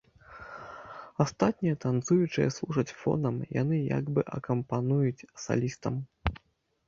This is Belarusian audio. Астатнія танцуючыя служаць фонам, яны як бы акампануюць салістам.